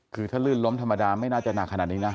คือถ้าลื่นล้มธรรมดาไม่น่าจะหนักขนาดนี้นะ